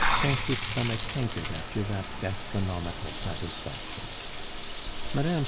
Pons' stomach hankered after that gastronomical satisfaction. Mme.